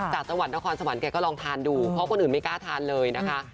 จากตะหวันละครสะหวันแกก็ลองทานดูเพราะคนอื่นไม่กล้าทานเลยนะคะ